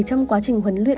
trong quá trình huấn luyện